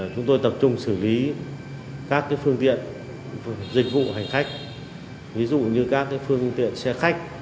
chúng tôi tập trung xử lý các phương tiện dịch vụ hành khách ví dụ như các phương tiện xe khách